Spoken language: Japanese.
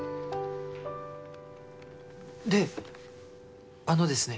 であのですね。